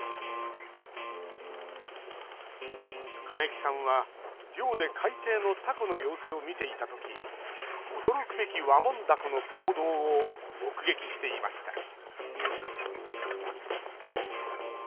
金木さんは漁で海底のタコの様子を見ていたとき驚くべきワモンダコの行動を目撃していました。